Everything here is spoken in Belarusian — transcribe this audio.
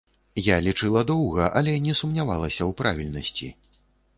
Я лічыла доўга, але не сумнявалася ў правільнасці.